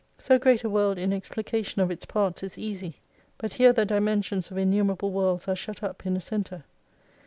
So great a world in explication of its parts is easy : but here the dimensions of innumerable worlds are shut up in a centre.